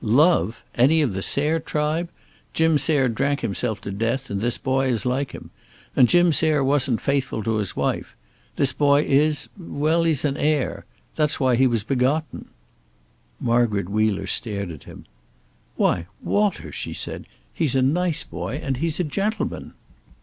"Love? Any of the Sayre tribe? Jim Sayre drank himself to death, and this boy is like him. And Jim Sayre wasn't faithful to his wife. This boy is well, he's an heir. That's why he was begotten." Margaret Wheeler stared at him. "Why, Walter!" she said. "He's a nice boy, and he's a gentleman."